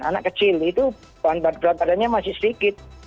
anak kecil itu badannya masih sedikit